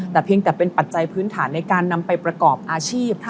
แต่เพียงแต่เป็นปัจจัยพื้นฐานในการนำไปประกอบอาชีพ